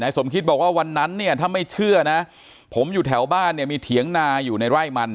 สมคิดบอกว่าวันนั้นเนี่ยถ้าไม่เชื่อนะผมอยู่แถวบ้านเนี่ยมีเถียงนาอยู่ในไร่มัน